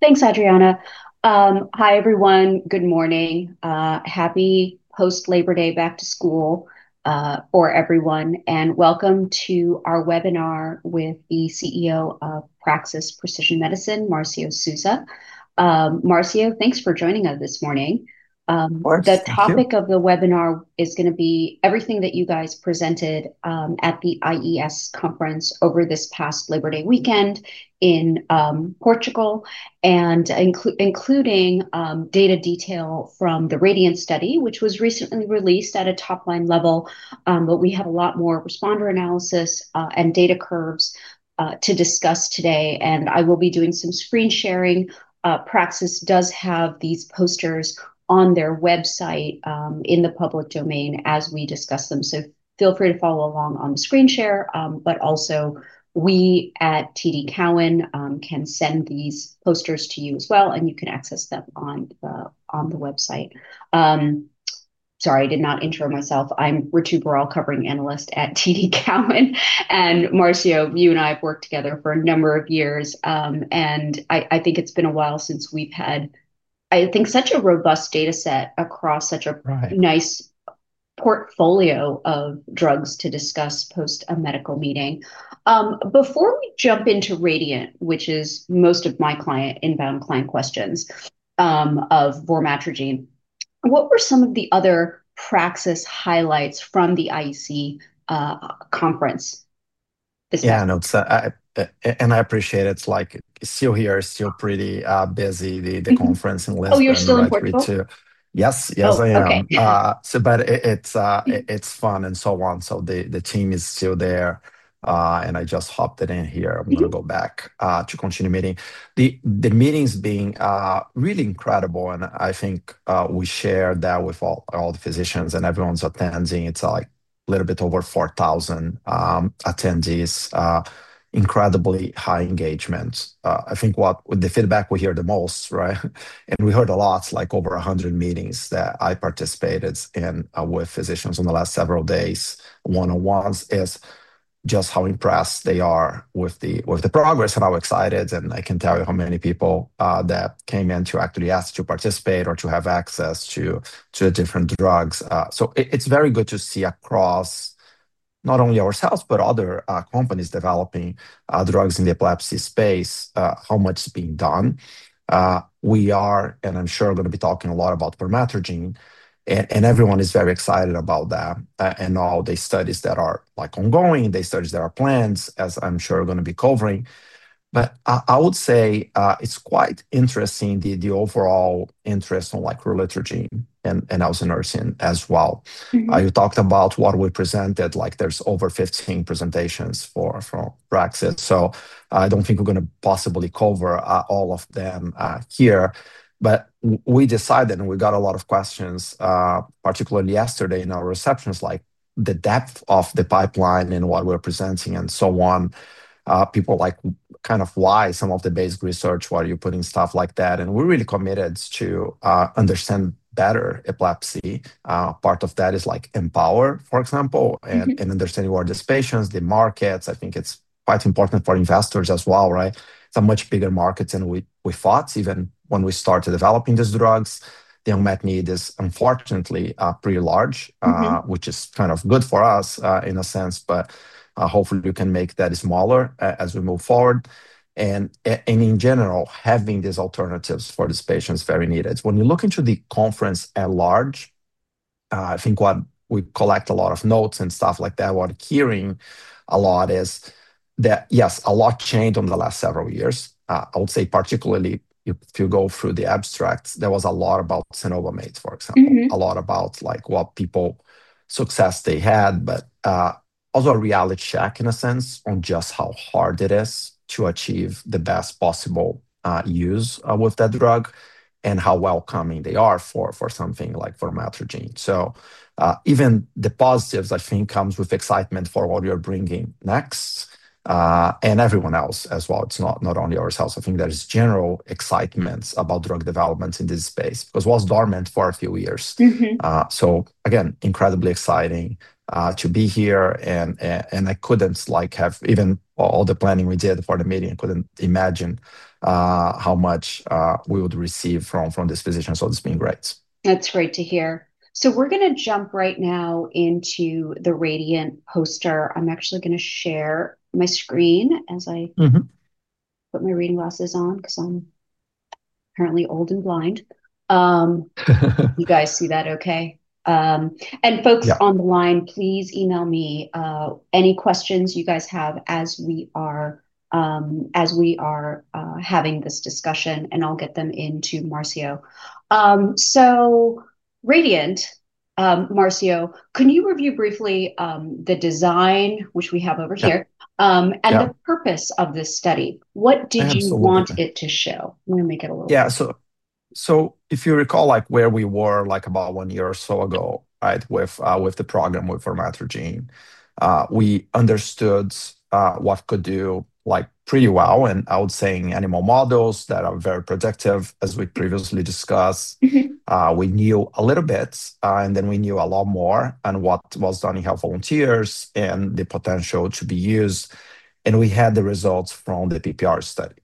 Thanks, Adriana. Hi everyone. Good morning. Happy post-Labor Day back to school for everyone. Welcome to our webinar with the CEO of Praxis Precision Medicines, Marcio Souza. Marcio, thanks for joining us this morning. The topic of the webinar is going to be everything that you guys presented at the IEC conference over this past Labor Day weekend in Lisbon, Portugal, including data detail from the RADIANT study, which was recently released at a top-line level. We have a lot more responder analysis and data curves to discuss today. I will be doing some screen sharing. Praxis does have these posters on their website in the public domain as we discuss them. Feel free to follow along on the screen share. We at TD Cowen can send these posters to you as well, and you can access them on the website. Sorry, I did not intro myself. I'm Ritu Borell, covering analyst at TD Cowen. Marcio, you and I have worked together for a number of years. I think it's been a while since we've had such a robust data set across such a nice portfolio of drugs to discuss post a medical meeting. Before we jump into RADIANT, which is most of my inbound client questions, of vormatrigine, what were some of the other Praxis highlights from the IEC conference? Yeah, no, I appreciate it. It's still here. It's still pretty busy, the conference in Lisbon. Oh, you're still in Portugal? Yes, yes, I am. It's fun and so on. The team is still there. I just hopped in here. I'm going to go back to continue meeting. The meeting's been really incredible. I think we shared that with all the physicians and everyone's attending. It's like a little bit over 4,000 attendees. Incredibly high engagement. I think what the feedback we hear the most, right? We heard a lot, like over 100 meetings that I participated in with physicians in the last several days, one-on-ones, is just how impressed they are with the progress and how excited. I can't tell you how many people that came in to actually ask to participate or to have access to the different drugs. It's very good to see across not only ourselves, but other companies developing drugs in the epilepsy space, how much is being done. We are, and I'm sure we're going to be talking a lot about vormatrigine. Everyone is very excited about that. Now the studies that are ongoing, the studies that are planned, as I'm sure we're going to be covering. I would say it's quite interesting, the overall interest on relutrigine and also elsunersen as well. You talked about what we presented, like there's over 15 presentations for Praxis. I don't think we're going to possibly cover all of them here. We decided, and we got a lot of questions, particularly yesterday in our receptions, like the depth of the pipeline and what we're presenting and so on. People like kind of why some of the basic research, why are you putting stuff like that? We're really committed to understand better epilepsy. Part of that is like empower, for example, and understanding where these patients, the markets, I think it's quite important for investors as well, right? It's a much bigger market than we thought. Even when we started developing these drugs, the unmet need is unfortunately pretty large, which is kind of good for us in a sense. Hopefully, we can make that smaller as we move forward. In general, having these alternatives for these patients is very needed. When you look into the conference at large, I think we collect a lot of notes and stuff like that, what I'm hearing a lot is that, yes, a lot changed over the last several years. I would say particularly if you go through the abstracts, there was a lot about cenobamate, for example, a lot about like what people, the success they had, but also a reality check in a sense and just how hard it is to achieve the best possible use with that drug and how welcoming they are for for something like vormatrigine. Even the positives, I think, come with excitement for what you're bringing next, and everyone else as well. It's not only ourselves. I think there is general excitement about drug development in this space. It was dormant for a few years, so again, incredibly exciting to be here. I couldn't have even, all the planning we did for the meeting, I couldn't imagine how much we would receive from these physicians. It's been great. That's great to hear. We're going to jump right now into the RADIANT poster. I'm actually going to share my screen as I put my reading glasses on because I'm apparently old and blind. You guys see that OK? Folks on the line, please email me any questions you guys have as we are having this discussion. I'll get them into Marcio. RADIANT, Marcio, can you review briefly the design, which we have over here, and the purpose of this study? What did you want it to show? Yeah, so if you recall where we were about one year or so ago with the program with vormatrigine, we understood what it could do pretty well. I would say in animal models that are very predictive, as we previously discussed, we knew a little bit, and then we knew a lot more on what was done in healthy volunteers and the potential to be used. We had the results from the PPR study.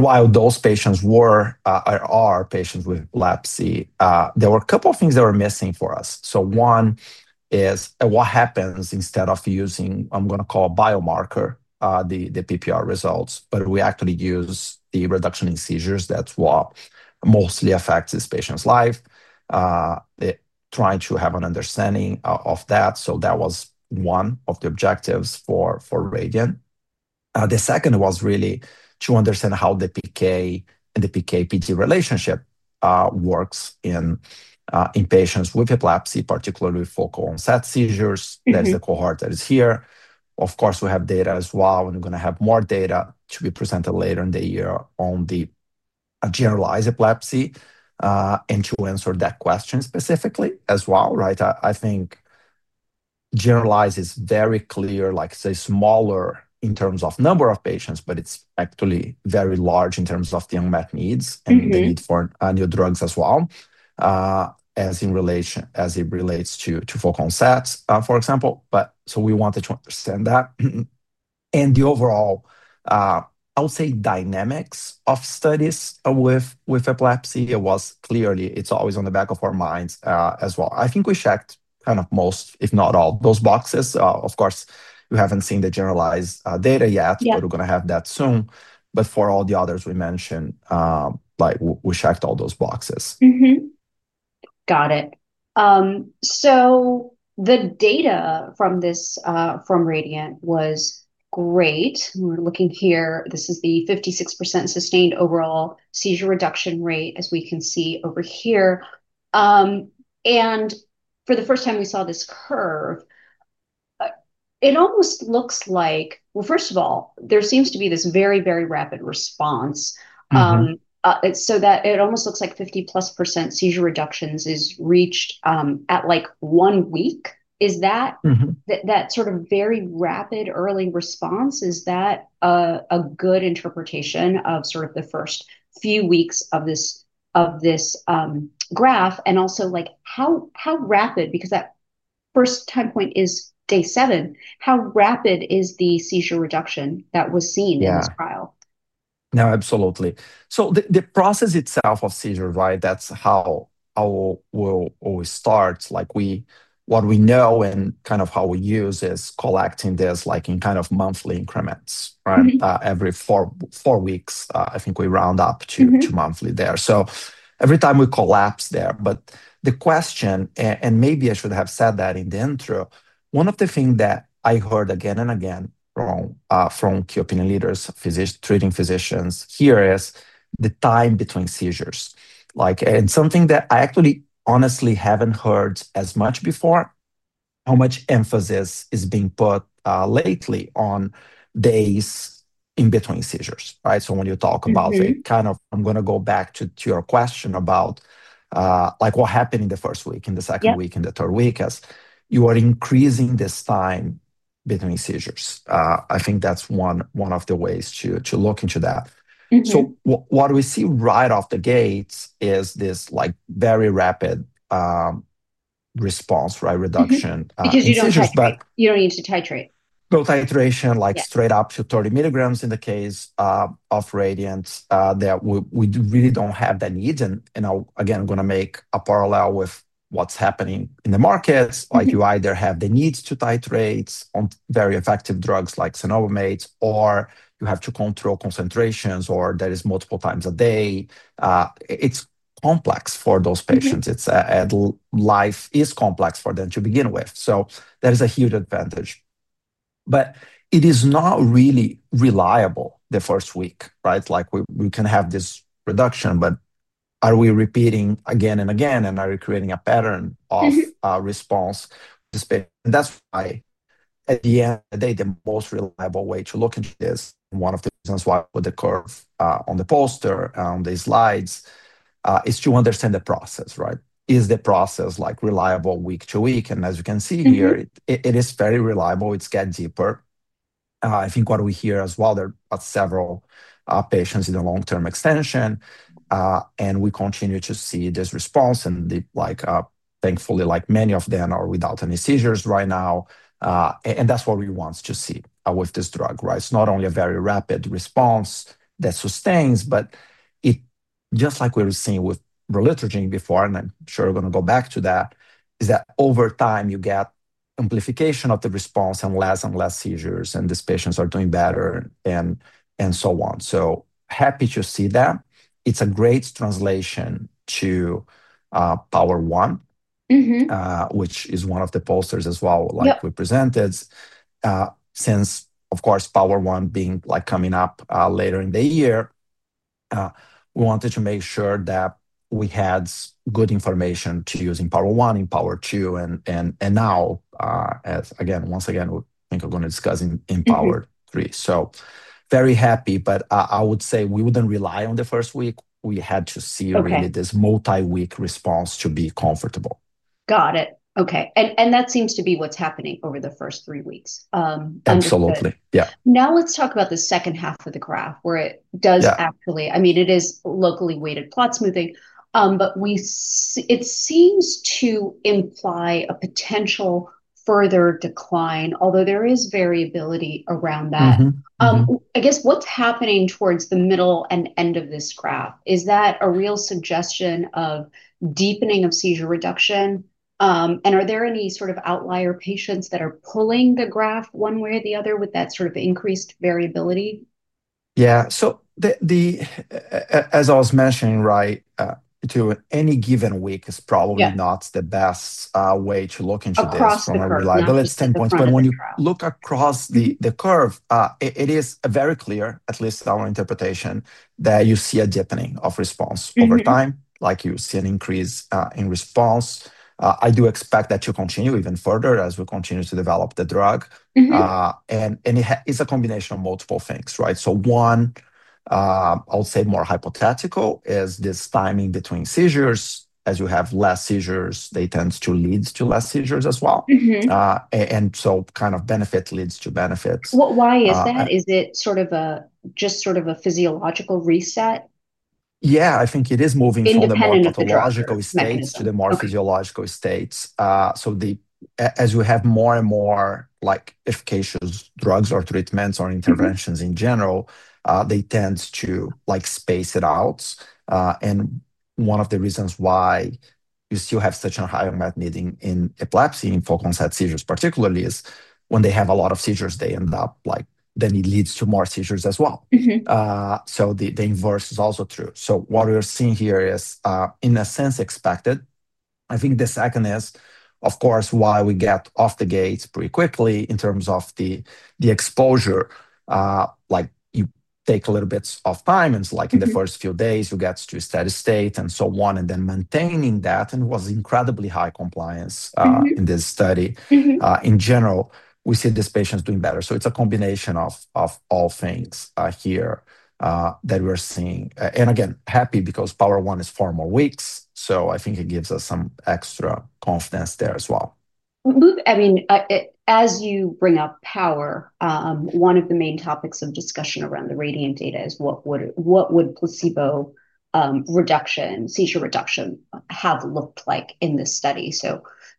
While those patients are patients with epilepsy, there were a couple of things that were missing for us. One is what happens instead of using, I'm going to call a biomarker, the PPR results, but we actually use the reduction in seizures that mostly affect this patient's life, trying to have an understanding of that. That was one of the objectives for RADIANT. The second was really to understand how the PK and the PK-PG relationship works in patients with epilepsy, particularly focal onset seizures. That's the cohort that is here. Of course, we have data as well, and we're going to have more data to be presented later in the year on the generalized epilepsy, and to answer that question specifically as well. I think generalized is very clear, smaller in terms of number of patients, but it's actually very large in terms of the unmet needs and the need for new drugs as well, as it relates to focal onsets, for example. We wanted to understand that. The overall dynamics of studies with epilepsy, it's always on the back of our minds as well. I think we checked most, if not all, those boxes. Of course, we haven't seen the generalized data yet, but we're going to have that soon. For all the others we mentioned, we checked all those boxes. Got it. The data from this, from RADIANT was great. We're looking here. This is the 56% sustained overall seizure reduction rate, as we can see over here. For the first time we saw this curve, it almost looks like, first of all, there seems to be this very, very rapid response. It almost looks like 50%+ seizure reductions is reached, at like one week. Is that that sort of very rapid early response? Is that a good interpretation of sort of the first few weeks of this, of this graph? Also, how rapid, because that first time point is day seven, how rapid is the seizure reduction that was seen in this trial? Yeah, no, absolutely. The process itself of seizure, right, that's how we'll always start. What we know and kind of how we use is collecting this in kind of monthly increments, right? Every four weeks, I think we round up to monthly there. Every time we collapse there. The question, and maybe I should have said that in the intro, one of the things that I heard again and again from key opinion leaders, treating physicians here is the time between seizures. Something that I actually honestly haven't heard as much before is how much emphasis is being put lately on days in between seizures, right? When you talk about the kind of, I'm going to go back to your question about what happened in the first week, in the second week, in the third week, as you are increasing this time between seizures. I think that's one of the ways to look into that. What we see right off the gate is this very rapid response, right, reduction of seizures. Because you don't need to titrate. No titration, like straight up to 30 mg in the case of RADIANT, that we really don't have that need. Again, I'm going to make a parallel with what's happening in the markets. You either have the need to titrate on very effective drugs like cenobamate, or you have to control concentrations, or that is multiple times a day. It's complex for those patients. Life is complex for them to begin with. That is a huge advantage. It is not really reliable the first week, right? We can have this reduction, but are we repeating again and again? Are you creating a pattern of response? That's why at the end of the day, the most reliable way to look at this, and one of the reasons why with the curve on the poster and on the slides, is to understand the process, right? Is the process reliable week to week? As you can see here, it is very reliable. It's getting deeper. I think what we hear as well, there are several patients in the long-term extension, and we continue to see this response. Thankfully, many of them are without any seizures right now, and that's what we want to see with this drug, right? It's not only a very rapid response that sustains, but just like we were seeing with ralutrigene before, and I'm sure we're going to go back to that, over time, you get amplification of the response and less and less seizures, and these patients are doing better and so on. Happy to see that. It's a great translation to POWER1, which is one of the posters as well, like we presented. Since, of course, POWER1 being coming up later in the year, we wanted to make sure that we had good information to use in POWER1, in POWER2, and now, once again, I think we're going to discuss in POWER3. Very happy. I would say we wouldn't rely on the first week. We had to see really this multi-week response to be comfortable. Got it. OK. That seems to be what's happening over the first three weeks. Absolutely. Yeah. Now let's talk about the second half of the graph where it does actually, I mean, it is locally weighted plot smoothing. It seems to imply a potential further decline, although there is variability around that. I guess what's happening towards the middle and end of this graph? Is that a real suggestion of deepening of seizure reduction? Are there any sort of outlier patients that are pulling the graph one way or the other with that sort of increased variability? As I was mentioning, to any given week is probably not the best way to look into this from a reliability standpoint. When you look across the curve, it is very clear, at least our interpretation, that you see a deepening of response over time. You see an increase in response. I do expect that to continue even further as we continue to develop the drug. It is a combination of multiple things, right? One, I'll say more hypothetical, is this timing between seizures. As you have less seizures, they tend to lead to less seizures as well. Kind of benefit leads to benefit. Why is that? Is it just sort of a physiological reset? Yeah, I think it is moving from the more pathological states to the more physiological states. As you have more and more efficacious drugs or treatments or interventions in general, they tend to space it out. One of the reasons why you still have such a high unmet need in epilepsy and focal onset seizures, particularly, is when they have a lot of seizures, they end up, then it leads to more seizures as well. The inverse is also true. What we are seeing here is, in a sense, expected. I think the second is, of course, why we get off the gate pretty quickly in terms of the exposure. You take a little bit of time, and it's like in the first few days, you get to a steady state and so on. Then maintaining that, and it was incredibly high compliance in this study. In general, we see these patients doing better. It's a combination of all things here that we're seeing. Again, happy because POWER1 is four more weeks. I think it gives us some extra confidence there as well. As you bring up POWER1, one of the main topics of discussion around the RADIANT data is what would placebo reduction, seizure reduction, have looked like in this study.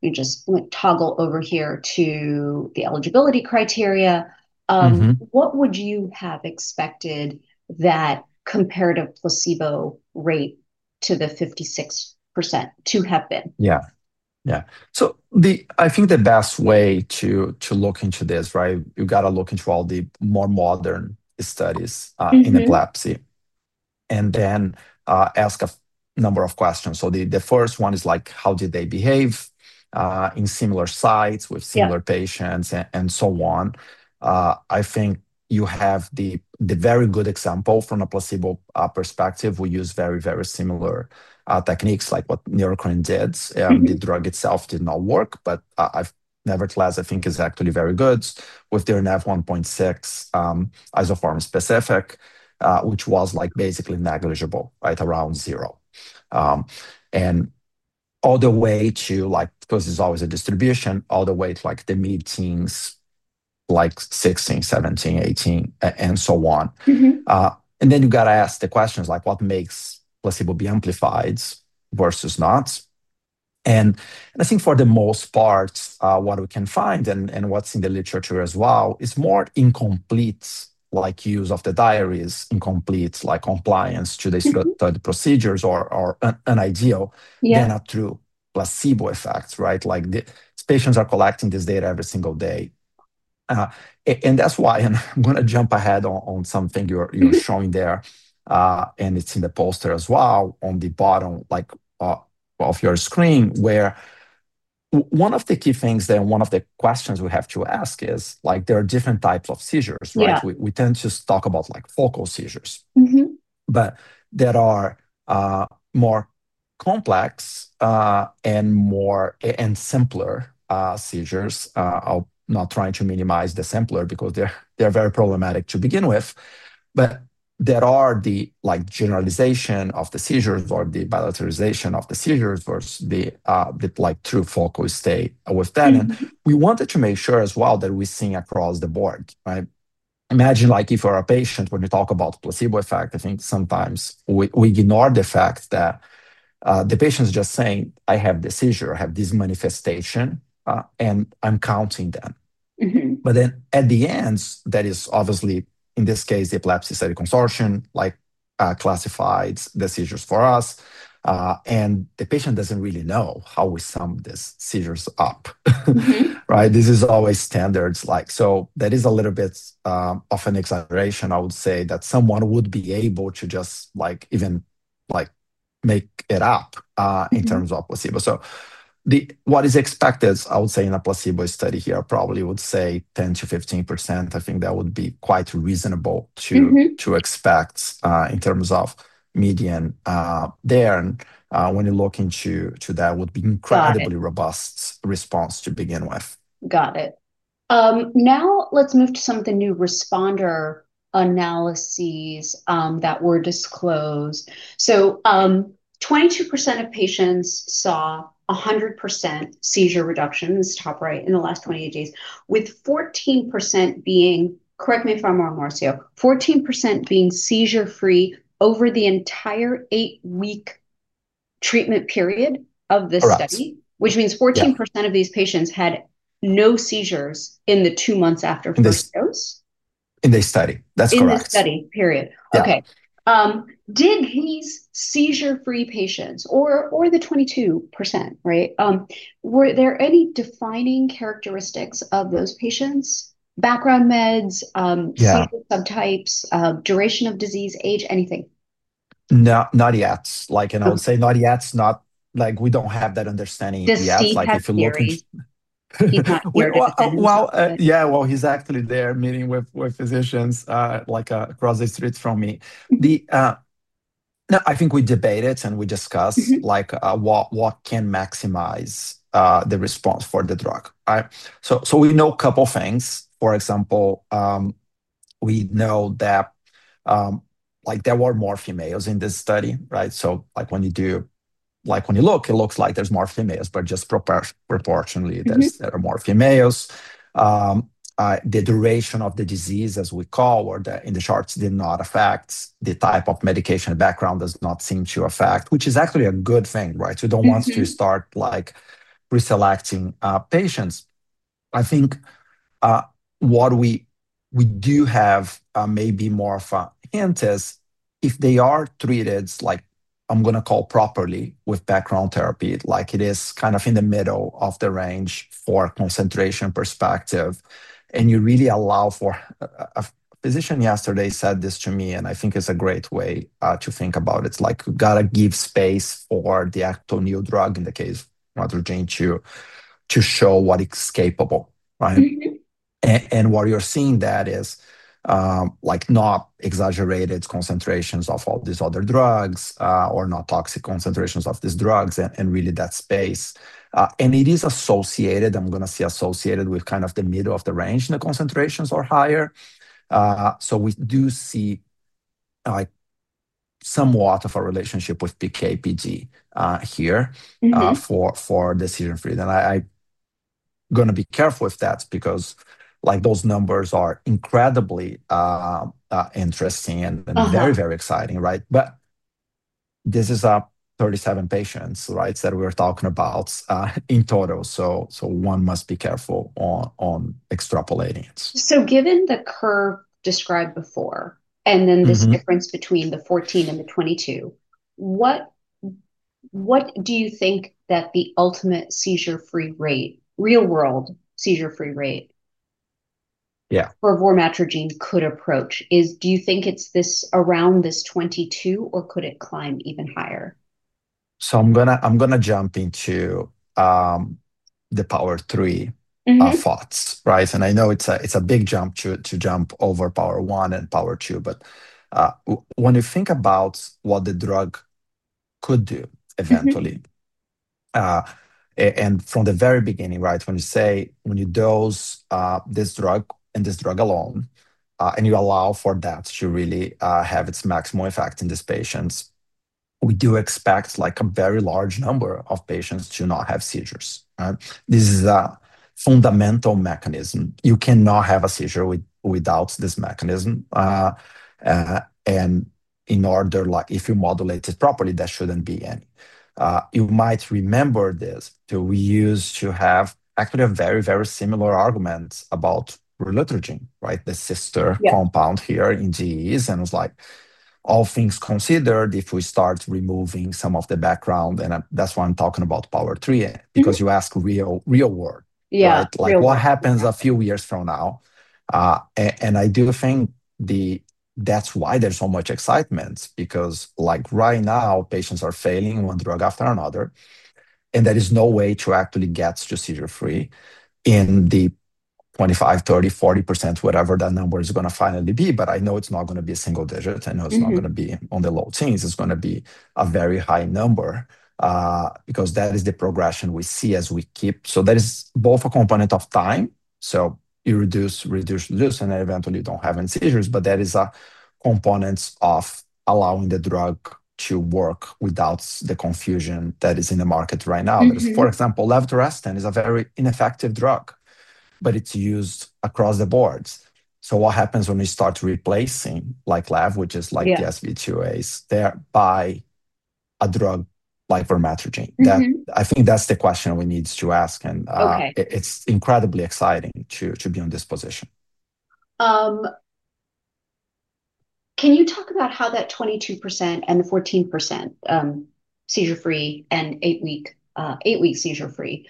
You just toggle over here to the eligibility criteria. What would you have expected that comparative placebo rate to the 56% to have been? Yeah, yeah. I think the best way to look into this, right, you've got to look into all the more modern studies in epilepsy and then ask a number of questions. The first one is like, how did they behave in similar sites with similar patients and so on? I think you have the very good example from a placebo perspective. We use very, very similar techniques like what NeuroQuant did. The drug itself did not work, but nevertheless, I think it's actually very good with their NF 1.6 isoform specific, which was basically negligible, right, around 0. All the way to, because there's always a distribution, all the way to the mid-teens, like 16, 17, 18, and so on. You've got to ask the questions, like, what makes placebo be amplified versus not? I think for the most part, what we can find and what's in the literature as well is more incomplete use of the diaries, incomplete compliance to the procedures or an ideal than a true placebo effect, right? The patients are collecting this data every single day. That's why, and I'm going to jump ahead on something you're showing there, and it's in the poster as well on the bottom of your screen, where one of the key things there, and one of the questions we have to ask is, there are different types of seizures, right? We tend to talk about focal seizures. Mm-hmm. There are more complex and more simpler seizures. I'll not try to minimize the simpler because they're very problematic to begin with. There are the generalization of the seizures or the bilateralization of the seizures versus the true focal state with them. We wanted to make sure as well that we're seeing across the board, right? Imagine if you're a patient, when you talk about placebo effect, I think sometimes we ignore the fact that the patient's just saying, I have the seizure, I have this manifestation, and I'm counting them. At the end, that is obviously, in this case, the Epilepsy Study Consortium classified the seizures for us. The patient doesn't really know how we sum these seizures up, right? This is always standards. That is a little bit of an exaggeration, I would say, that someone would be able to just even make it up in terms of placebo. What is expected, I would say, in a placebo study here, I probably would say 10%-15%. I think that would be quite reasonable to expect in terms of median there. When you look into that, it would be an incredibly robust response to begin with. Got it. Now let's move to some of the new responder analyses that were disclosed. 22% of patients saw 100% seizure reduction in this top right in the last 28 days, with 14% being, correct me if I'm wrong, Marcio, 14% being seizure-free over the entire eight-week treatment period of this study, which means 14% of these patients had no seizures in the two months after first dose. In this study, that's correct. In this study period, OK. Did these seizure-free patients, or the 22%, were there any defining characteristics of those patients? Background meds, subtypes, duration of disease, age, anything? No, not yet. I would say not yet, not like we don't have that understanding yet. He's asking for your attention. Yeah, he's actually there meeting with physicians across the street from me. I think we debated and we discussed what can maximize the response for the drug, right? We know a couple of things. For example, we know that there were more females in this study, right? When you look, it looks like there's more females, but just proportionately, there are more females. The duration of the disease, as we call, or in the charts, did not affect. The type of medication background does not seem to affect, which is actually a good thing, right? We don't want to start reselecting patients. I think what we do have maybe more of a hint is if they are treated, like I'm going to call properly with background therapy, like it is kind of in the middle of the range from a concentration perspective. You really allow for—a physician yesterday said this to me, and I think it's a great way to think about it—it's like you've got to give space for the actual new drug, in the case of vormatrigine, to show what it's capable, right? What you're seeing is not exaggerated concentrations of all these other drugs or not toxic concentrations of these drugs, and really that space. It is associated, I'm going to say, associated with kind of the middle of the range, and the concentrations are higher. We do see somewhat of a relationship with PK-PG here for decision free. I'm going to be careful with that because those numbers are incredibly interesting and very, very exciting, right? This is 37 patients that we're talking about in total. One must be careful on extrapolating it. Given the curve described before, and then this difference between the 14 and the 22, what do you think that the ultimate seizure-free rate, real-world seizure-free rate for vormatrigine could approach? Do you think it's this around this 22, or could it climb even higher? I'm going to jump into the POWER3 of thoughts, right? I know it's a big jump to jump over POWER1 and POWER2. When you think about what the drug could do eventually, and from the very beginning, right, when you say when you dose this drug and this drug alone, and you allow for that to really have its maximum effect in this patient, we do expect like a very large number of patients to not have seizures, right? This is a fundamental mechanism. You cannot have a seizure without this mechanism. If you modulate it properly, there shouldn't be any. You might remember this. We used to have actually a very, very similar argument about relutrigine, the sister compound here in GEs. It was like, all things considered, if we start removing some of the background, and that's why I'm talking about POWER3, because you ask real-world. Yeah, like what happens a few years from now? I do think that's why there's so much excitement, because right now, patients are failing one drug after another. There is no way to actually get to seizure-free in the 25%, 30%, 40%, whatever that number is going to finally be. I know it's not going to be a single digit. I know it's not going to be on the low teens. It's going to be a very high number, because that is the progression we see as we keep. That is both a component of time. You reduce, reduce, reduce, and eventually, you don't have any seizures. That is a component of allowing the drug to work without the confusion that is in the market right now. For example, levetiracetam is a very ineffective drug, but it's used across the board. What happens when we start replacing like lev, which is like the SB2As, by a drug like vormatrigine? I think that's the question we need to ask. It's incredibly exciting to be in this position. Can you talk about how that 22% and the 14% seizure-free and eight-week seizure-free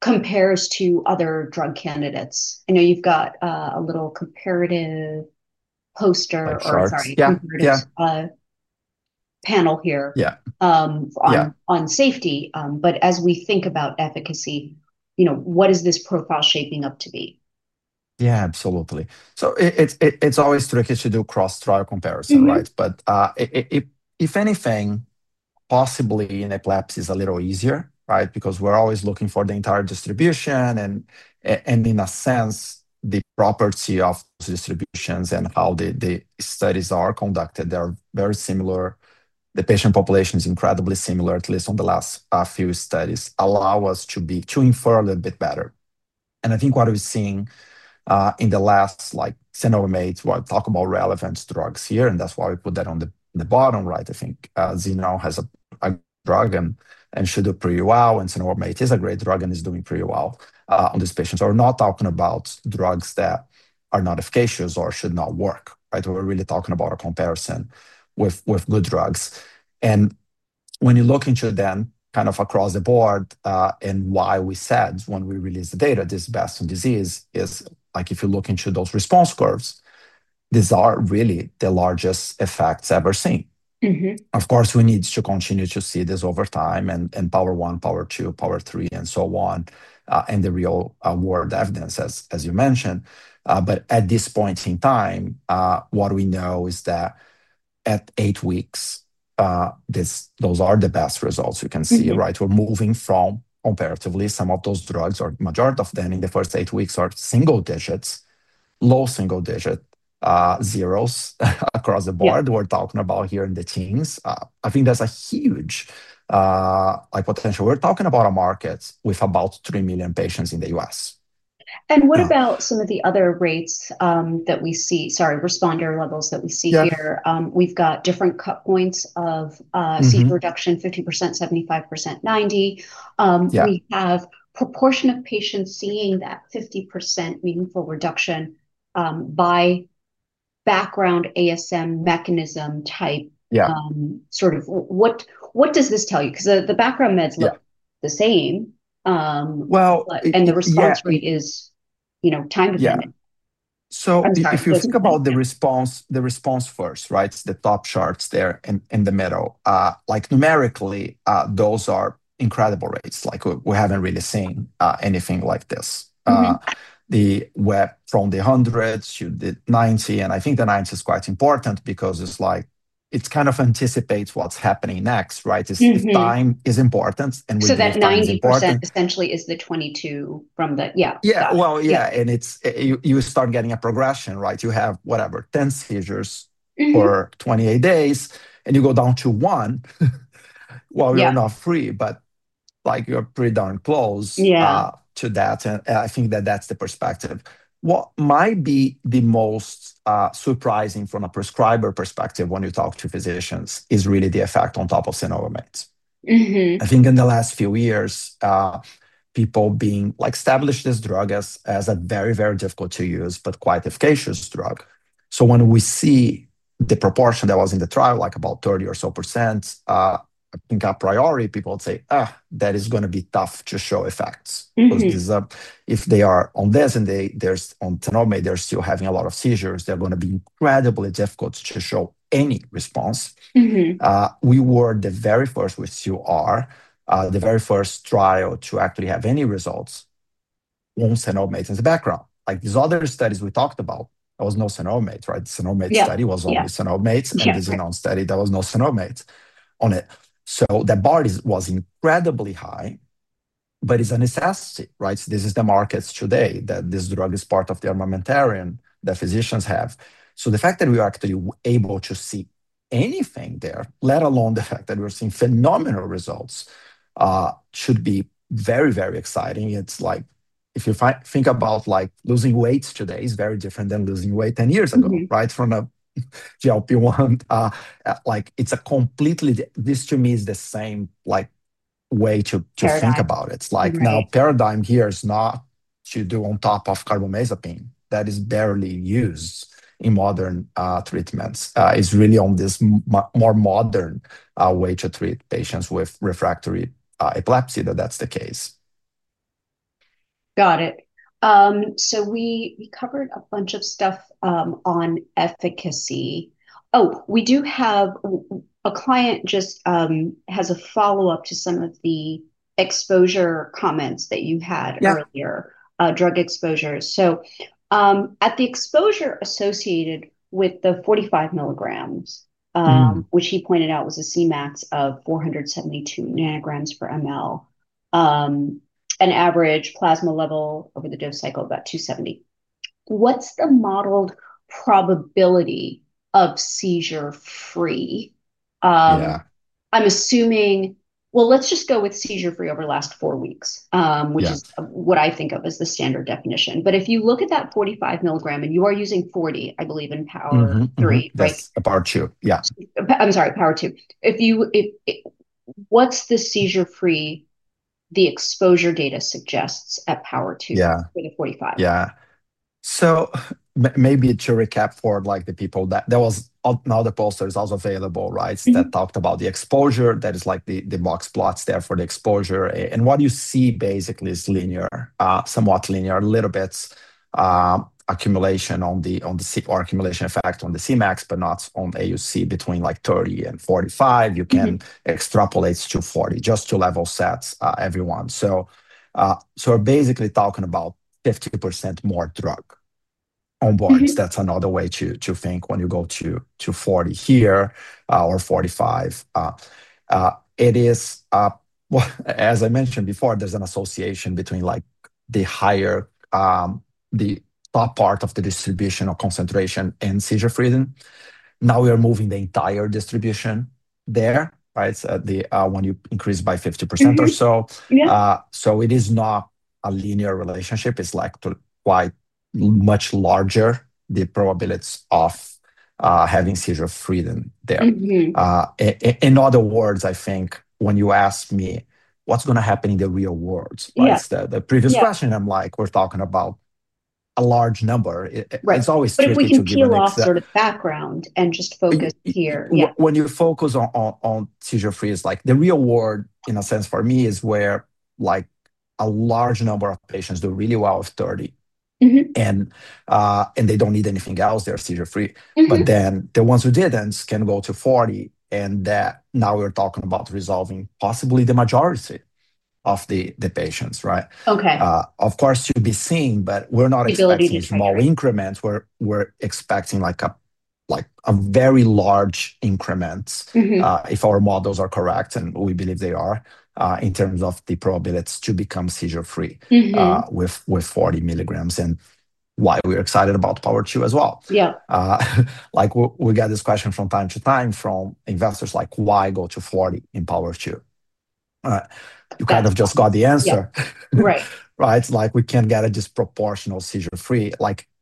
compares to other drug candidates? I know you've got a little comparative poster, or sorry, comparative panel here on safety. As we think about efficacy, you know what is this profile shaping up to be? Yeah, absolutely. It's always tricky to do cross-trial comparison, right? If anything, possibly in epilepsy, it's a little easier, right? We're always looking for the entire distribution. In a sense, the property of those distributions and how the studies are conducted, they're very similar. The patient population is incredibly similar, at least on the last few studies. Allow us to infer a little bit better. I think what we've seen in the last cenobamate, we talk about relevant drugs here. That's why we put that on the bottom, right? I think [Zinou] has a drug and should do pretty well. Cenobamate is a great drug and is doing pretty well on these patients. We're not talking about drugs that are not efficacious or should not work, right? We're really talking about a comparison with good drugs. When you look into them kind of across the board and why we said when we released the data, this is best of disease, is like if you look into those response curves, these are really the largest effects ever seen. Of course, we need to continue to see this over time in POWER1, POWER2, POWER3, and so on in the real-world evidence, as you mentioned. At this point in time, what we know is that at eight weeks, those are the best results you can see, right? We're moving from comparatively, some of those drugs, or the majority of them in the first eight weeks are single digits, low single digit zeros across the board. We're talking about here in the teens. I think that's a huge potential. We're talking about a market with about 3 million patients in the U.S. What about some of the other rates that we see, responder levels that we see here? We've got different cut points of seizure reduction, 50%, 75%, 90%. We have a proportion of patients seeing that 50% meaningful reduction by background ASM mechanism type. What does this tell you? The background meds look the same, and the response rate is, you know, time is different. If you think about the response first, right, the top charts there in the middle, like numerically, those are incredible rates. We haven't really seen anything like this. The web from the 100s to the 90. I think the 90s is quite important because it's like it kind of anticipates what's happening next, right? This time is important. That 90% essentially is the 22 from that, yeah. Yeah, you start getting a progression, right? You have whatever, 10 seizures for 28 days, and you go down to 1 while you're not free, but like you're pretty darn close to that. I think that that's the perspective. What might be the most surprising from a prescriber perspective when you talk to physicians is really the effect on top of cenobamate. I think in the last few years, people being like established this drug as a very, very difficult to use but quite efficacious drug. When we see the proportion that was in the trial, like about 30% or so, got priority, people would say, oh, that is going to be tough to show effects. Because if they are on this and they're on cenobamate, they're still having a lot of seizures. They're going to be incredibly difficult to show any response. We were the very first, we still are, the very first trial to actually have any results on cenobamate in the background. These other studies we talked about, there was no cenobamate, right? The cenobamate study was only cenobamate. The [Zinou] study, there was no cenobamate on it. The bar was incredibly high. It's a necessity, right? This is the market today that this drug is part of the armamentarium that physicians have. The fact that we are actually able to see anything there, let alone the fact that we're seeing phenomenal results, should be very, very exciting. It's like if you think about like losing weight today, it's very different than losing weight 10 years ago, right? From a GLP-1, like it's a completely, this to me is the same like way to think about it. Now paradigm here is not to do on top of carbamazepine. That is barely used in modern treatments. It's really on this more modern way to treat patients with refractory epilepsy that that's the case. Got it. We covered a bunch of stuff on efficacy. We do have a client who just has a follow-up to some of the exposure comments that you had earlier, drug exposures. At the exposure associated with the 45 mg, which you pointed out was a Cmax of 472 ng per mL, an average plasma level over the dose cycle of about 270. What's the modeled probability of seizure-free? I'm assuming, let's just go with seizure-free over the last four weeks, which is what I think of as the standard definition. If you look at that 45 mg and you are using 40, I believe, in POWER3, right? The POWER2, yeah. I'm sorry, POWER2. What's the seizure-free, the exposure data suggests at POWER2 for the 45? Yeah. Maybe to recap for the people, there was another poster that was also available, right, that talked about the exposure. That is like the box plots there for the exposure. What you see basically is linear, somewhat linear, a little bit accumulation on the accumulation effect on the Cmax, but not on AUC between 30 and 45. You can extrapolate to 40, just two level sets, everyone. We're basically talking about 50% more drug onboard. That's another way to think when you go to 40 here or 45. It is, as I mentioned before, there's an association between the higher, the top part of the distribution or concentration and seizure freedom. Now we are moving the entire distribution there, right? When you increase by 50% or so, it is not a linear relationship. It's quite much larger the probabilities of having seizure freedom there. In other words, I think when you ask me what's going to happen in the real world, like the previous question, I'm like, we're talking about a large number. It's always tricky to give you a clue. If we take that sort of background and just focus here. When you focus on seizure free, it's like the real world, in a sense, for me, is where like a large number of patients do really well with 30. They don't need anything else. They're seizure free. The ones who didn't can go to 40. Now we're talking about resolving possibly the majority of the patients, right? OK. Of course, you'll be seeing, but we're not expecting small increments. We're expecting like a very large increment if our models are correct, and we believe they are, in terms of the probabilities to become seizure free with 40 mg. That is why we're excited about POWER2 as well. Yeah. Like, we get this question from time to time from investors, like, why go to 40 in POWER2? You kind of just got the answer. Yeah, right. Right? Like we can't get a disproportional seizure free.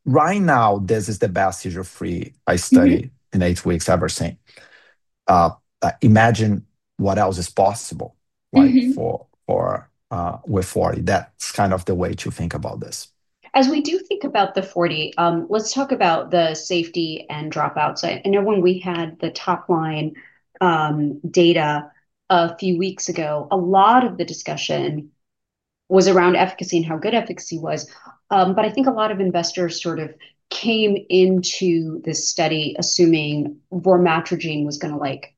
Right now, this is the best seizure free I studied in eight weeks I've ever seen. Imagine what else is possible, right, for with 40. That's kind of the way to think about this. As we do think about the 40, let's talk about the safety and dropouts. I know when we had the top line data a few weeks ago, a lot of the discussion was around efficacy and how good efficacy was. I think a lot of investors sort of came into this study assuming vormatrigine was going to like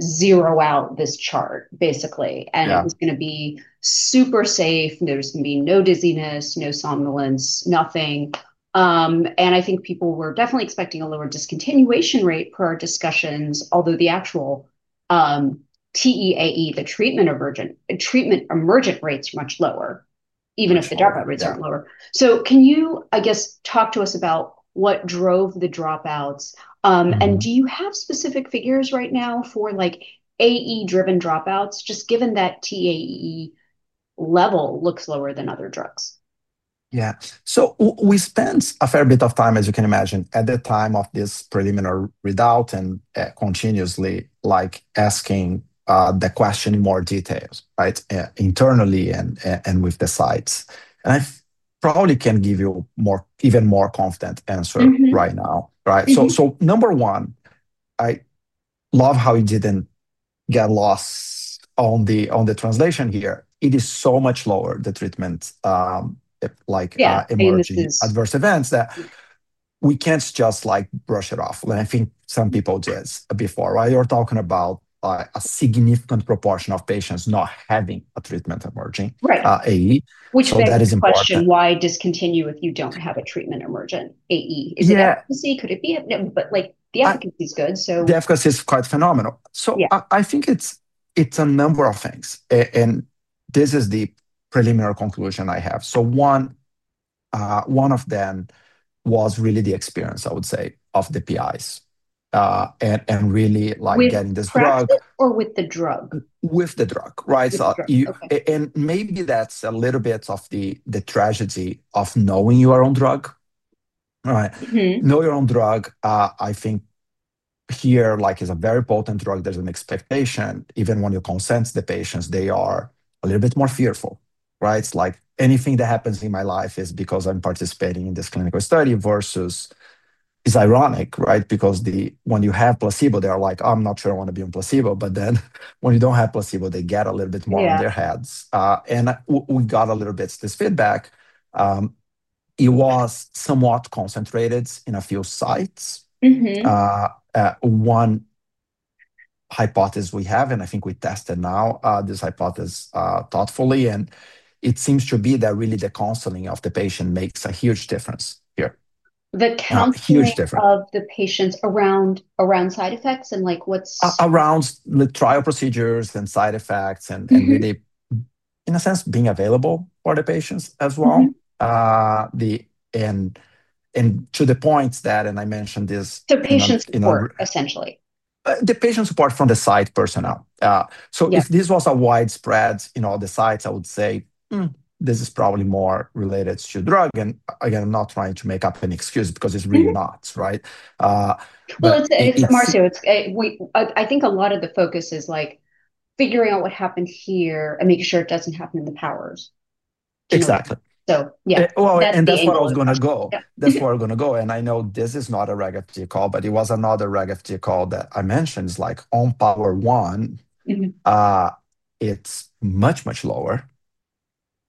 zero out this chart, basically. It was going to be super safe. There's going to be no dizziness, no somnolence, nothing. I think people were definitely expecting a lower discontinuation rate per our discussions, although the actual TEAE, the treatment emergent rates, are much lower, even if the dropout rates aren't lower. Can you, I guess, talk to us about what drove the dropouts? Do you have specific figures right now for like AE-driven dropouts, just given that TEAE level looks lower than other drugs? Yeah. We spent a fair bit of time, as you can imagine, at the time of this preliminary readout and continuously asking the question in more detail, internally and with the sites. I probably can give you an even more confident answer right now. Number one, I love how it didn't get lost in the translation here. It is so much lower, the treatment-emerging adverse events, that we can't just brush it off. I think some people did before. You're talking about a significant proportion of patients not having a treatment-emerging AE. Which is the question, why discontinue if you don't have a treatment emergent AE? Is it efficacy? Could it be? The efficacy is good. The efficacy is quite phenomenal. I think it's a number of things. This is the preliminary conclusion I have. One of them was really the experience, I would say, of the PIs and really like getting this drug. With the drug. With the drug, right? Maybe that's a little bit of the tragedy of knowing your own drug. Know your own drug, I think here, like it's a very potent drug. There's an expectation, even when you consent to the patients, they are a little bit more fearful, right? It's like anything that happens in my life is because I'm participating in this clinical study versus it's ironic, right? Because when you have placebo, they're like, I'm not sure I want to be on placebo. When you don't have placebo, they get a little bit more on their heads. We got a little bit of this feedback. It was somewhat concentrated in a few sites. One hypothesis we have, and I think we tested now this hypothesis thoughtfully. It seems to be that really the counseling of the patient makes a huge difference here. The counseling of the patients around side effects and like what. Around the trial procedures and side effects, really, in a sense, being available for the patients as well. To the point that, and I mentioned this. The patient support, essentially. The patient support from the site personnel, if this was widespread in all the sites, I would say this is probably more related to drug. I'm not trying to make up an excuse because it's really not, right? I think a lot of the focus is like figuring out what happened here and making sure it doesn't happen in the POWER1 or POWER2 studies. Exactly. So yeah. That is where I was going to go. That is where we're going to go. I know this is not a regular call, but it was another regular call that I mentioned. It's like on POWER1, it's much, much lower.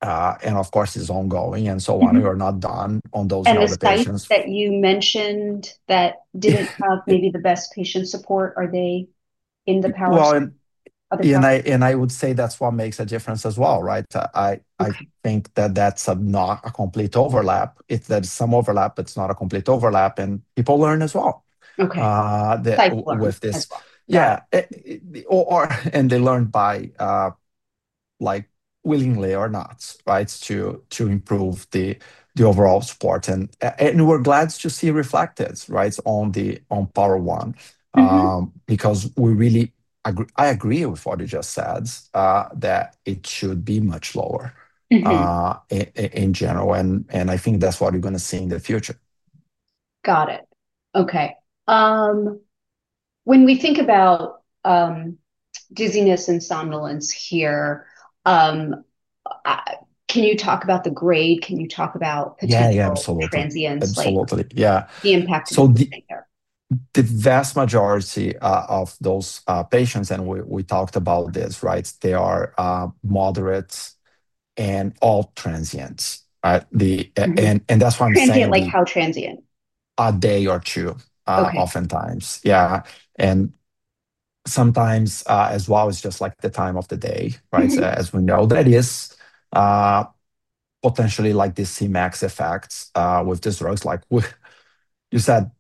Of course, it's ongoing and so on. We are not done on those number of patients. Are the sites that you mentioned that didn't have maybe the best patient support, are they in the POWER1 or POWER2 studies? I would say that's what makes a difference as well, right? I think that that's not a complete overlap. It's that it's some overlap, but it's not a complete overlap. People learn as well. OK. Yeah, they learn by, like, willingly or not, to improve the overall support. We're glad to see it reflected on POWER1, because we really, I agree with what you just said, that it should be much lower in general. I think that's what you're going to see in the future. Got it. OK. When we think about dizziness and somnolence here, can you talk about the grade? Can you talk about the transients? Yeah, yeah, absolutely. Absolutely. Yeah. The vast majority of those patients, and we talked about this, right, they are moderate and all transients, right? That's why I'm saying. Transient, like how transient? A day or two oftentimes, yeah. Sometimes as well, it's just like the time of the day, right? As we know, that is potentially like the Cmax effects with these drugs. Like you said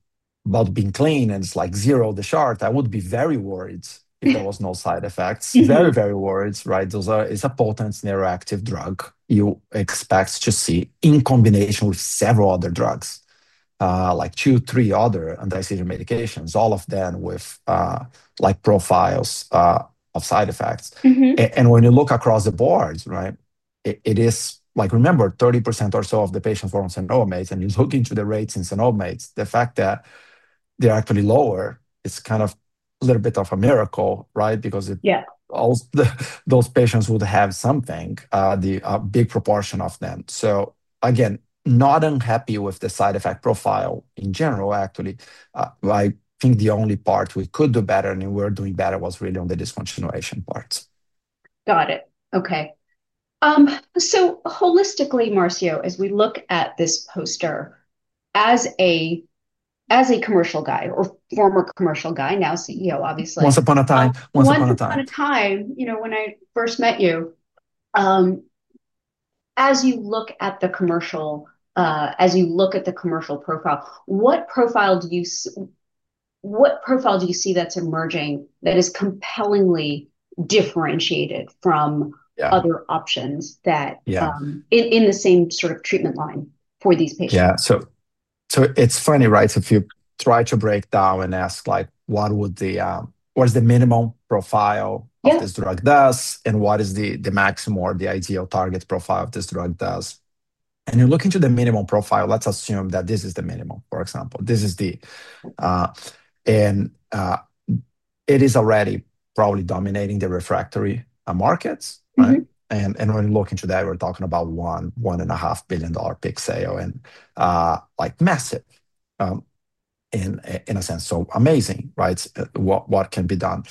about being clean and it's like zero off the chart. I would be very worried if there was no side effects. Very, very worried, right? It's a potent neuroactive drug you expect to see in combination with several other drugs, like two, three other anti-seizure medications, all of them with profiles of side effects. When you look across the board, it is like, remember, 30% or so of the patients were on cenobamate. You look into the rates in cenobamate, the fact that they're actually lower, it's kind of a little bit of a miracle, right? Because those patients would have something, a big proportion of them. Again, not unhappy with the side effect profile in general, actually. I think the only part we could do better, and we were doing better, was really on the discontinuation part. Got it. OK. Holistically, Marcio, as we look at this poster, as a commercial guy or former commercial guy, now CEO, obviously. Once upon a time, once upon a time. Once upon a time, when I first met you, as you look at the commercial, as you look at the commercial profile, what profile do you see that's emerging that is compellingly differentiated from other options that are in the same sort of treatment line for these patients? Yeah. It's funny, right? If you try to break down and ask what would the, what is the minimum profile this drug does, and what is the maximum or the ideal target profile this drug does, and you're looking to the minimum profile, let's assume that this is the minimum, for example. It is already probably dominating the refractory markets. When you look into that, we're talking about $1.5 billion peak sale, and like massive, in a sense, so amazing, right? What can be done?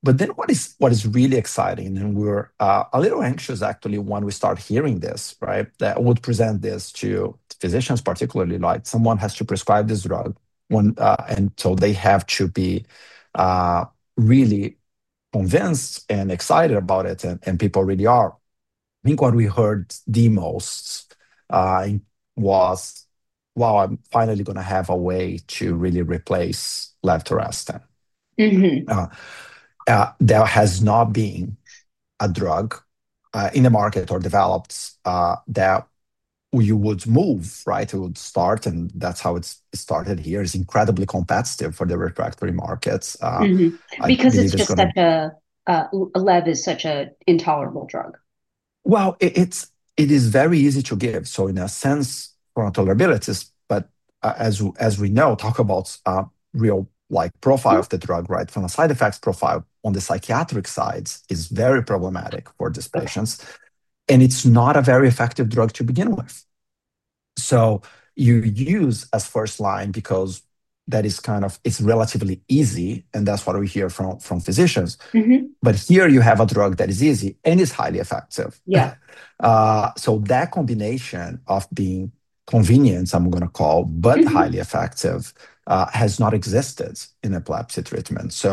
What is really exciting, and we're a little anxious, actually, when we start hearing this, that we would present this to physicians, particularly like someone has to prescribe this drug. They have to be really convinced and excited about it. People really are. I think what we heard the most was, wow, I'm finally going to have a way to really replace levetiracetam. There has not been a drug in the market or developed that you would move, right? You would start, and that's how it started here. It's incredibly competitive for the refractory markets. Because it's just like levetiracetam is such an intolerable drug. It is very easy to give. In a sense, for tolerabilities, as we know, talk about a real profile of the drug, right, from a side effects profile on the psychiatric side, is very problematic for these patients. It's not a very effective drug to begin with. You use as first line because that is kind of, it's relatively easy. That's what we hear from physicians. Here you have a drug that is easy and is highly effective. Yeah. That combination of being convenient, I'm going to call, but highly effective has not existed in epilepsy treatment.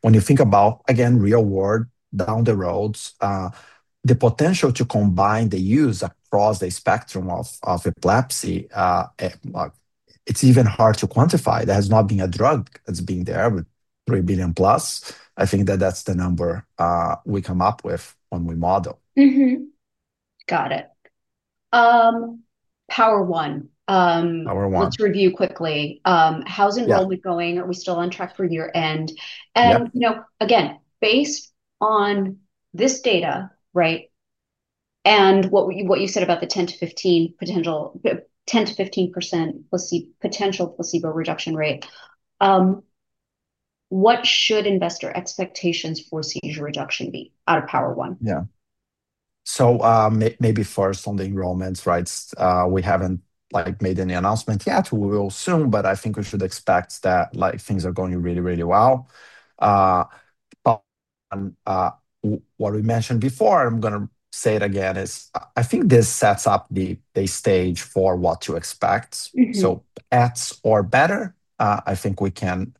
When you think about, again, real world, down the roads, the potential to combine the use across the spectrum of epilepsy, it's even hard to quantify. There has not been a drug that's been there with $3 billion+. I think that that's the number we come up with when we model. Got it. POWER1. POWER1. Let's review quickly. How's enrollment going? Are we still on track for year-end? You know, again, based on this data, right, and what you said about the 10%-15% potential placebo reduction rate, what should investor expectations for seizure reduction be out of POWER1? Maybe first on the enrollments, right? We haven't made any announcements yet. We will soon. I think we should expect that things are going really, really well. What we mentioned before, I'm going to say it again, is I think this sets up the stage for what to expect. At or better, I think we can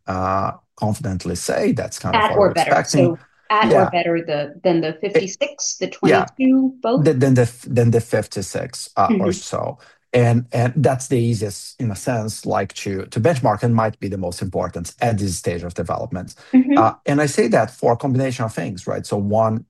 confidently say that's kind of what we're expecting. At or better. At or better than the 56, the 22, both? Than the 56 or so. That's the easiest, in a sense, to benchmark and might be the most important at this stage of development. I say that for a combination of things, right? One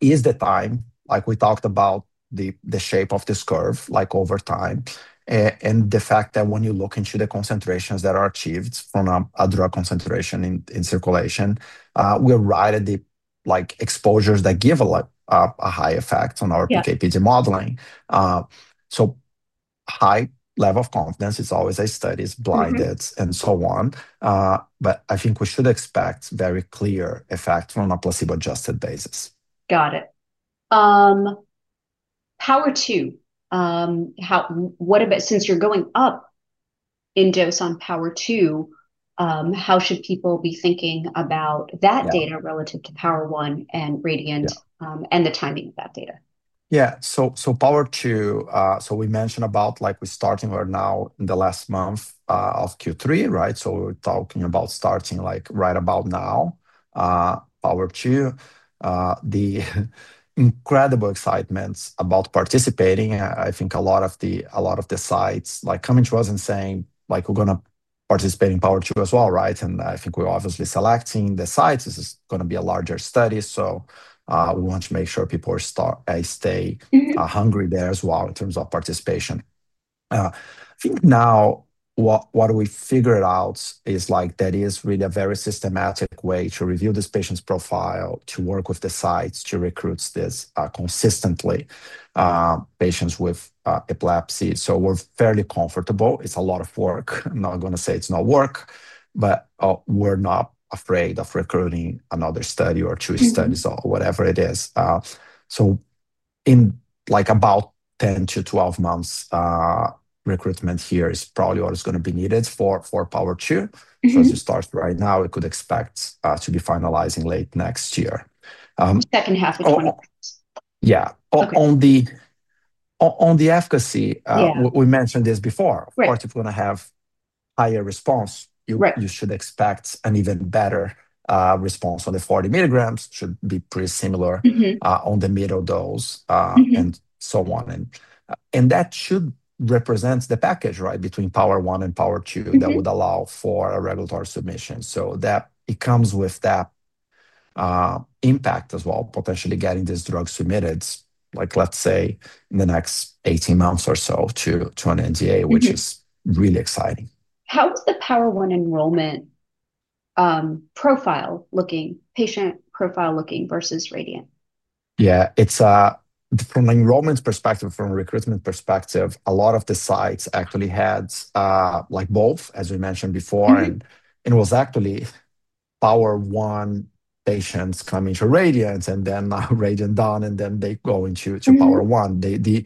is the time, like we talked about the shape of this curve, like over time, and the fact that when you look into the concentrations that are achieved from a drug concentration in circulation, we're right at the exposures that give a high effect on our PK-PG modeling. High level of confidence is always a study, blinded, and so on. I think we should expect very clear effects on a placebo-adjusted basis. Got it. POWER2, what about since you're going up in dose on POWER2, how should people be thinking about that data relative to POWER1 and RADIANT and the timing of that data? Yeah. POWER2, we mentioned we're starting right now in the last month of Q3, right? We're talking about starting right about now. POWER2, the incredible excitement about participating, I think a lot of the sites are coming to us and saying they're going to participate in POWER2 as well, right? I think we're obviously selecting the sites. This is going to be a larger study. We want to make sure people stay hungry there as well in terms of participation. What we figured out is that there is really a very systematic way to review this patient's profile, to work with the sites to recruit this consistently, patients with epilepsy. We're fairly comfortable. It's a lot of work. I'm not going to say it's not work. We're not afraid of recruiting another study or two studies or whatever it is. In about 10-12 months, recruitment here is probably what is going to be needed for POWER2. As you start right now, we could expect to be finalizing late next year. Second half of the year. Yeah. On the efficacy, we mentioned this before. Of course, if you're going to have higher response, you should expect an even better response on the 40 mg. It should be pretty similar on the middle dose and that should represent the package, right, between POWER1 and POWER2 that would allow for a regulatory submission. It comes with that impact as well, potentially getting this drug submitted, like let's say in the next 18 months or so to an NDA, which is really exciting. How is the POWER1 enrollment profile looking, patient profile looking versus RADIANT? Yeah, from an enrollment perspective, from a recruitment perspective, a lot of the sites actually had both, as we mentioned before. It was actually POWER1 patients coming to RADIANT, and then RADIANT done, and then they go into POWER1.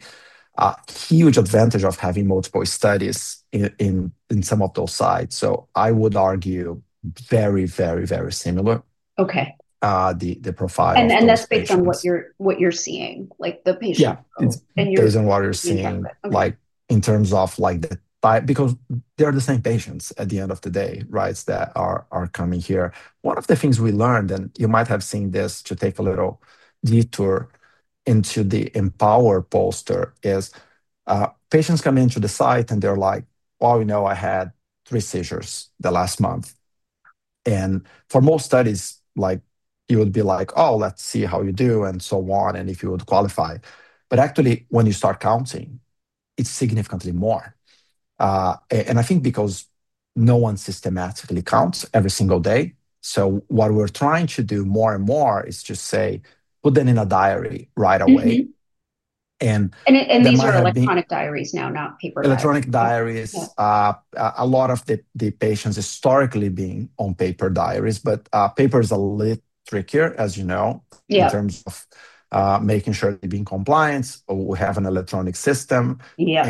The huge advantage of having multiple studies in some of those sites. I would argue very, very, very similar. OK. The profile. That is based on what you're seeing, like the patient. Yeah. Based on what you're seeing, like in terms of the, because they're the same patients at the end of the day, right, that are coming here. One of the things we learned, and you might have seen this to take a little detour into the EMPOWER poster, is patients come into the site and they're like, you know I had three seizures the last month. For most studies, you would be like, let's see how you do and so on, and if you would qualify. Actually, when you start counting, it's significantly more. I think because no one systematically counts every single day. What we're trying to do more and more is just say, put them in a diary right away. These are electronic diaries now, not paper diaries. Electronic diaries. A lot of the patients historically being on paper diaries. Paper is a little trickier, as you know, in terms of making sure they're being compliant. We have an electronic system. You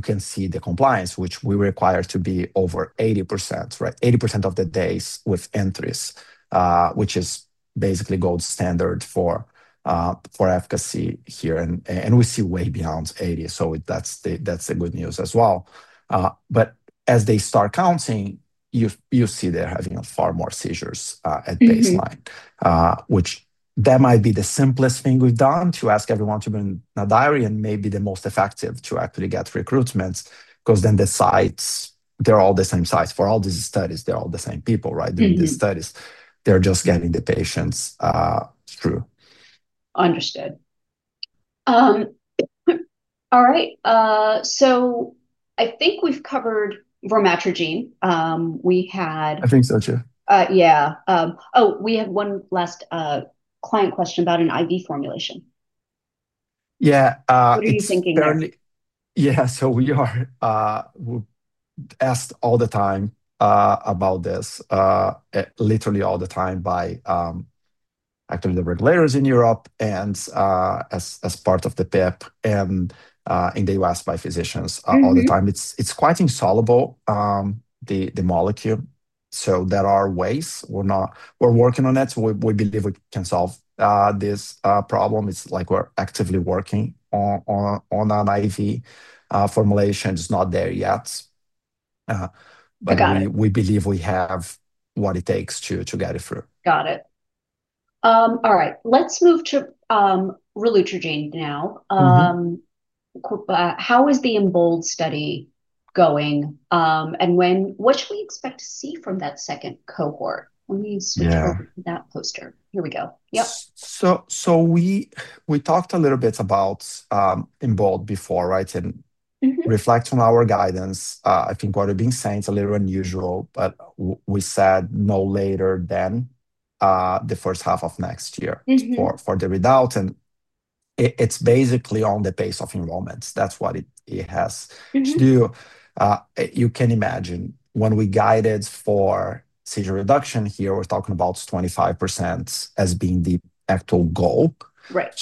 can see the compliance, which we require to be over 80%, right? 80% of the days with entries, which is basically gold standard for efficacy here. We see way beyond 80%. That's the good news as well. As they start counting, you see they're having far more seizures at baseline, which might be the simplest thing we've done to ask everyone to bring a diary, and maybe the most effective to actually get recruitment. The sites, they're all the same size for all these studies. They're all the same people, right, doing these studies. They're just getting the patients through. Understood. All right. I think we've covered vormatrigine. We had. I think so too. Yeah. We have one last client question about an IV formulation. Yeah. What are you thinking there? We are asked all the time about this, literally all the time by actually the regulators in Europe and as part of the PEP and in the U.S. by physicians all the time. It's quite insoluble, the molecule. There are ways. We're working on it. We believe we can solve this problem. We're actively working on an IV formulation. It's not there yet, but we believe we have what it takes to get it through. Got it. All right. Let's move to relutrigine now. How is the EMBOLD study going? What should we expect to see from that second cohort? Let me switch over to that poster. Here we go. Yep. We talked a little bit about EMBOLD before, right? Reflecting on our guidance, I think what we've been saying is a little unusual. We said no later than the first half of next year for the readout, and it's basically on the pace of enrollment. That's what it has to do. You can imagine when we guided for seizure reduction here, we're talking about 25% as being the actual goal.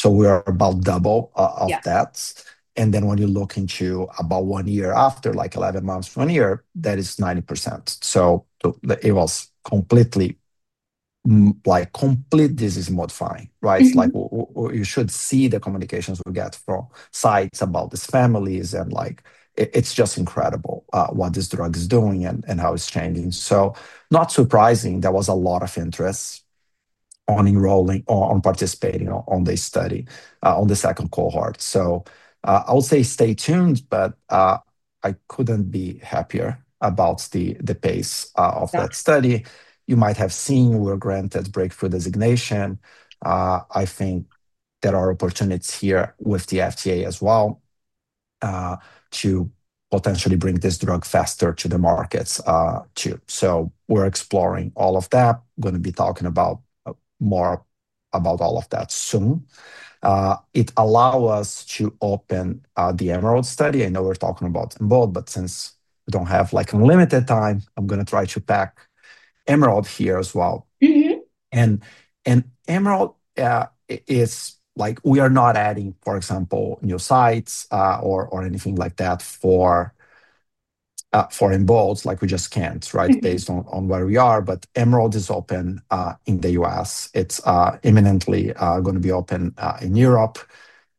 We are about double of that. When you look into about one year after, like 11 months from here, that is 90%. It was completely like complete disease modifying, right? You should see the communications we get from sites about these families. It's just incredible what this drug is doing and how it's changing. Not surprising there was a lot of interest on enrolling or on participating on this study on the second cohort. I will say stay tuned. I couldn't be happier about the pace of that study. You might have seen we were granted breakthrough designation. I think there are opportunities here with the FDA as well to potentially bring this drug faster to the markets too. We're exploring all of that. I'm going to be talking more about all of that soon. It allows us to open the EMERALD study. I know we're talking about EMBOLD. Since we don't have unlimited time, I'm going to try to pack EMERALD here as well. EMERALD is like we are not adding, for example, new sites or anything like that for EMBOLD. We just can't, right, based on where we are. EMERALD is open in the U.S. It's imminently going to be open in Europe.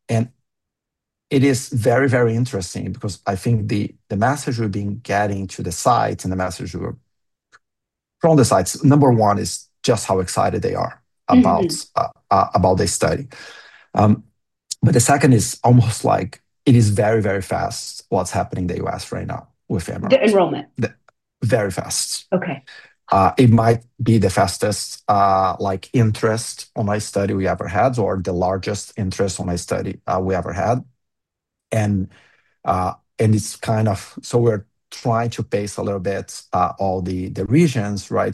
It is very, very interesting because I think the message we've been getting to the sites and the message from the sites, number one is just how excited they are about this study. The second is almost like it is very, very fast what's happening in the U.S. right now with EMERALD. The enrollment. Very fast. OK. It might be the fastest interest on my study we ever had or the largest interest on my study we ever had. We're trying to pace a little bit all the regions, right,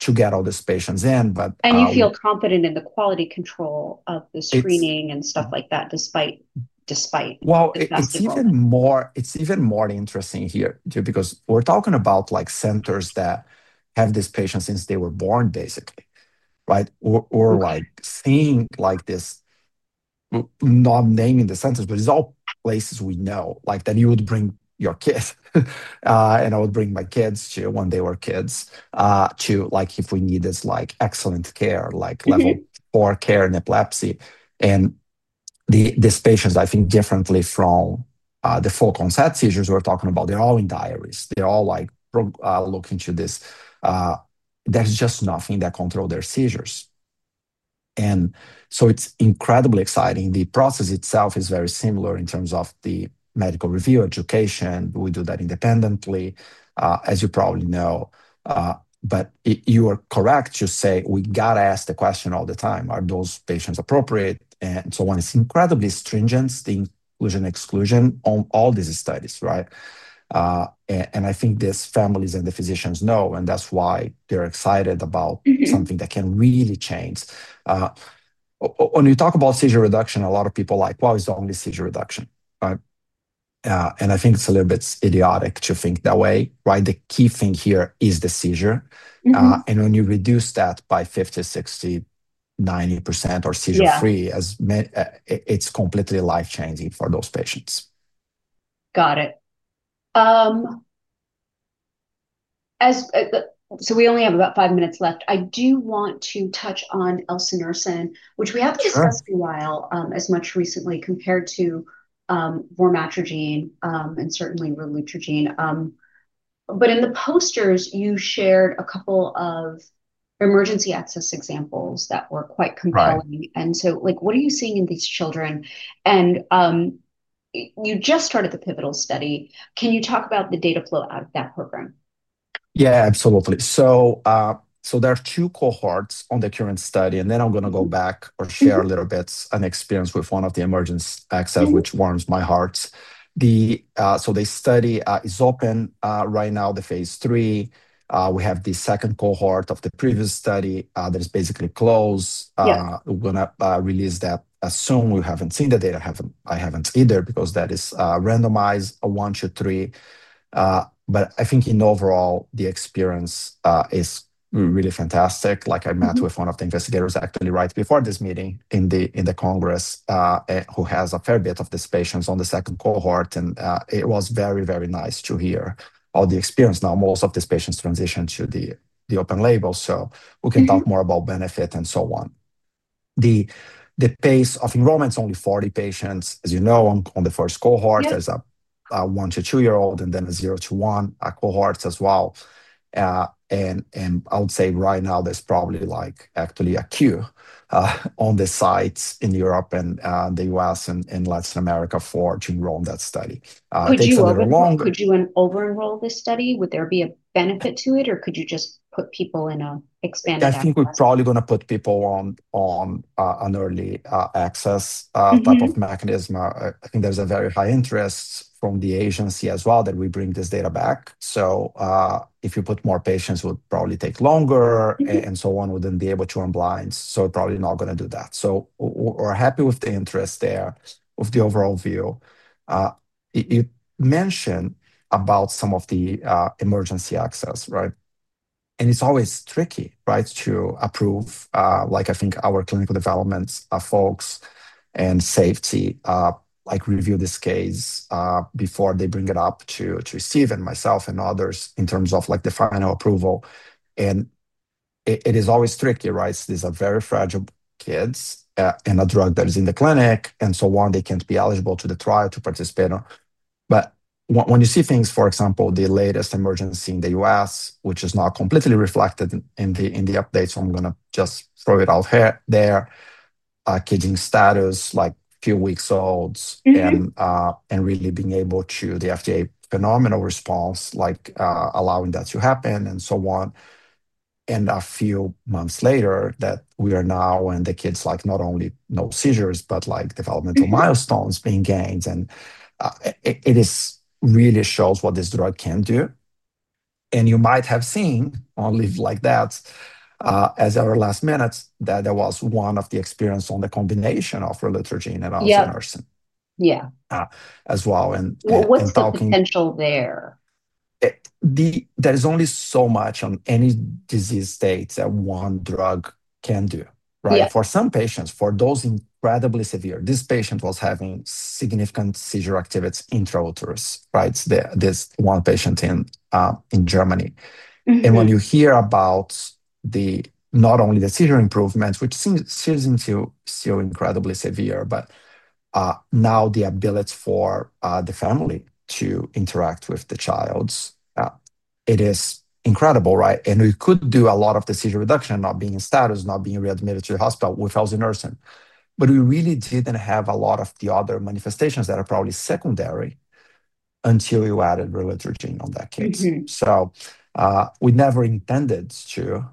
to get all these patients in. You feel confident in the quality control of the screening and stuff like that, despite the fact that. It's even more interesting here too because we're talking about like centers that have these patients since they were born, basically, right? We're like seeing like this, not naming the centers, but it's all places we know. Like you would bring your kids, and I would bring my kids to when they were kids to like if we need this like excellent care, like level four care in epilepsy. These patients, I think, differently from the full-concept seizures we're talking about, they're all in diaries. They're all like looking to this. There's just nothing that controls their seizures. It's incredibly exciting. The process itself is very similar in terms of the medical review education. We do that independently, as you probably know. You are correct to say we got to ask the question all the time, are those patients appropriate? It's incredibly stringent, the inclusion and exclusion on all these studies, right? I think these families and the physicians know. That's why they're excited about something that can really change. When you talk about seizure reduction, a lot of people are like, well, it's only seizure reduction. I think it's a little bit idiotic to think that way, right? The key thing here is the seizure. When you reduce that by 50%, 60%, 90% or seizure-free, it's completely life-changing for those patients. Got it. We only have about five minutes left. I do want to touch on elsunersen, which we have not discussed as much recently compared to vormatrigine and certainly relutrigine. In the posters, you shared a couple of emergency access examples that were quite compelling. What are you seeing in these children? You just started the pivotal study. Can you talk about the data flow out of that program? Yeah, absolutely. There are two cohorts on the current study. I'm going to go back or share a little bit an experience with one of the emergency access, which warms my heart. The study is open right now, the phase three. We have the second cohort of the previous study that is basically closed. We're going to release that as soon. We haven't seen the data. I haven't either because that is randomized one, two, three. I think in overall, the experience is really fantastic. I met with one of the investigators actually right before this meeting in the Congress who has a fair bit of these patients on the second cohort. It was very, very nice to hear how the experience. Most of these patients transitioned to the open label, so we can talk more about benefit and so on. The pace of enrollment is only 40 patients, as you know, on the first cohort. There's a one to two-year-old and then a zero to one cohort as well. I would say right now, there's probably like actually a queue on the sites in Europe and the U.S. and Latin America to enroll in that study. Could you over-enroll this study? Would there be a benefit to it? Could you just put people in an expanded access? I think we're probably going to put people on an early access type of mechanism. I think there's a very high interest from the agency as well that we bring this data back. If you put more patients, it would probably take longer, and one wouldn't be able to unblind. We're probably not going to do that. We're happy with the interest there, with the overall view. You mentioned some of the emergency access, right? It's always tricky to approve. I think our clinical development folks and safety review this case before they bring it up to [Siv] and myself and others in terms of the final approval. It is always tricky. These are very fragile kids and a drug that is in the clinic. They can't be eligible to the trial to participate. When you see things, for example, the latest emergency in the U.S., which is not completely reflected in the updates, I'm going to just throw it out there, kids in status, like two weeks old, and really being able to, the FDA, phenomenal response, allowing that to happen and so on. A few months later, that we are now, and the kids not only have no seizures, but developmental milestones are being gained. It really shows what this drug can do. You might have seen, I'll leave it like that, as our last minutes, that there was one of the experiences on the combination of relutrigine and elsunersen as well. What's the potential there? There is only so much on any disease state that one drug can do, right? For some patients, for those incredibly severe, this patient was having significant seizure activity intrauterus, right? This one patient in Germany. When you hear about not only the seizure improvement, which seems to still be incredibly severe, but now the ability for the family to interact with the child, it is incredible, right? We could do a lot of the seizure reduction, not being in status, not being readmitted to the hospital with elsunersen. We really didn't have a lot of the other manifestations that are probably secondary until you added relutrigine on that case. We never intended to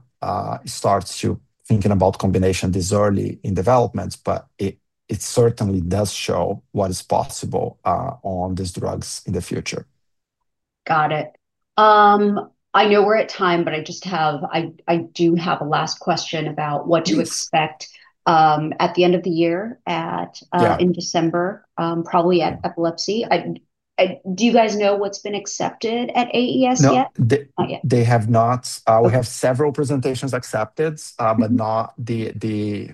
start thinking about combination this early in development. It certainly does show what is possible on these drugs in the future. Got it. I know we're at time, but I just have a last question about what to expect at the end of the year, in December, probably at epilepsy. Do you guys know what's been accepted at AES yet? No, they have not. We have several presentations accepted, but not the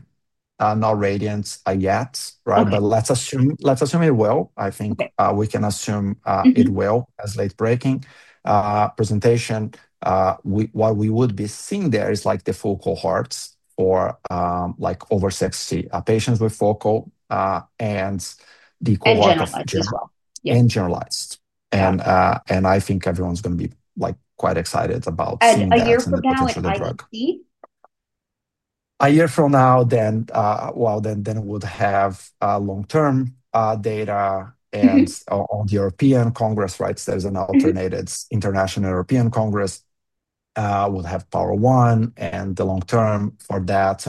RADIANTs yet, right? Let's assume it will. I think we can assume it will as late-breaking presentation. What we would be seeing there is like the full cohorts or like over 60 patients with focal and the cohort of. And generalized. Generalized, and I think everyone's going to be quite excited about seeing that. A year from now, it's going to be? A year from now, we would have long-term data and on the European Congress, right? There is an alternating International Epilepsy Congress. We will have POWER1 and the long-term for that.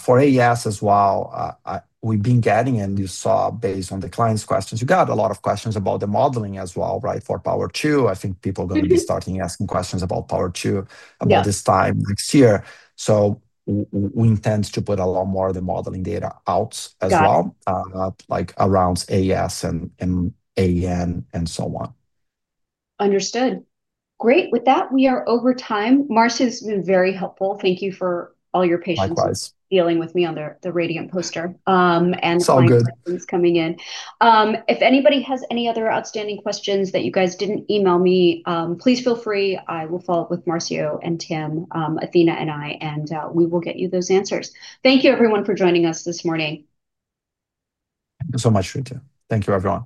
For AES as well, you saw based on the client's questions, you got a lot of questions about the modeling as well, right, for POWER2. I think people are going to be starting asking questions about POWER2 this time next year. We intend to put a lot more of the modeling data out as well, like around AES and AEN and so on. Understood. Great. With that, we are over time. Marcio, this has been very helpful. Thank you for all your patience. Likewise. Dealing with me on the RADIANT poster and all the questions coming in. Sounds good. If anybody has any other outstanding questions that you guys didn't email me, please feel free. I will follow up with Marcio and Tim, Athena and I, and we will get you those answers. Thank you, everyone, for joining us this morning. Thank you so much, Ritu. Thank you, everyone.